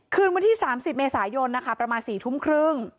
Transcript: คืนวันที่๓๐เมษายนนะคะประมาณ๔ทุ่มครึ่ง